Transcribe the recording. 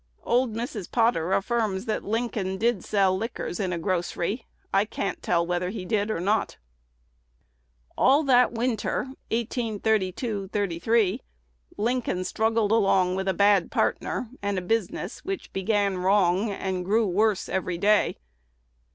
Old Mrs. Potter affirms that Lincoln did sell liquors in a grocery. I can't tell whether he did or not." All that winter (1832 3) Lincoln struggled along with a bad partner, and a business which began wrong, and grew worse every day.